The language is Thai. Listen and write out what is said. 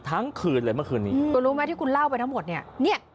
ทั้งคืนเลยเมื่อคืนนี้คุณรู้ไหมที่คุณเล่าไปทั้งหมดเนี่ย